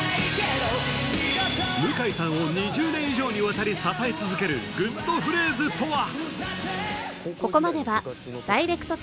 向井さんを２０年以上にわたり支え続けるグッとフレーズとは？